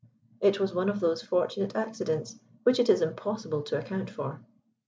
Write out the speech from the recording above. It was one of those fortunate accidents which it is impossible to account for.